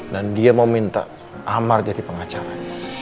dan dia mau minta amar jadi pengacara